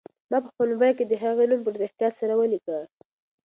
ما په خپل موبایل کې د هغې نوم په ډېر احتیاط سره ولیکه.